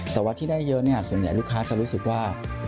แต่ว่าที่ได้เยอะส่วนใหญ่ลูกค้าจะรู้สึกว่า